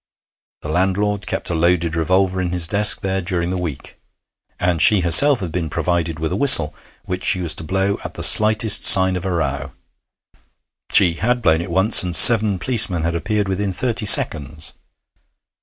The landlord kept a loaded revolver in his desk there during the week. And she herself had been provided with a whistle which she was to blow at the slightest sign of a row; she had blown it once, and seven policemen had appeared within thirty seconds.